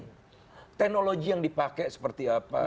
nah teknologi yang dipakai seperti apa